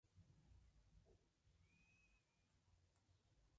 Erigidas sobre barrancos, las casas costeras destacan en el paisaje.